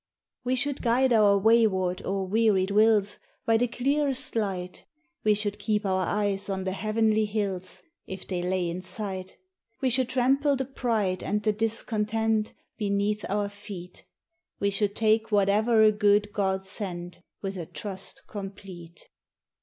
We should guide our wayward or wearied wills By the clearest light; We should keep our eyes on the heavenly hills, If they lay in sight; We should trample the pride and the discontent Beneath our feet; We should take whatever a good God sent, With a trust complete.